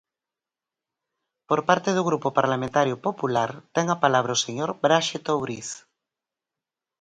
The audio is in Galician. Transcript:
Por parte do Grupo Parlamentario Popular, ten a palabra o señor Braxe Touriz.